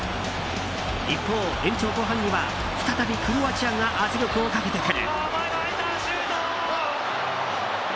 一方、延長後半には再びクロアチアが圧力をかけてくる。